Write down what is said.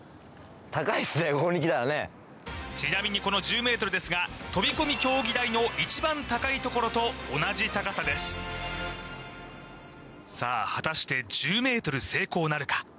ちなみにこの１０ｍ飛び込み競技台の一番高い所と同じ高さですさあ果たして１０ｍ成功なるか？